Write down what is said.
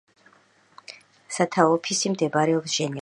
სათავო ოფისი მდებარეობს ჟენევაში.